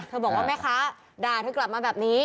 บอกว่าแม่ค้าด่าเธอกลับมาแบบนี้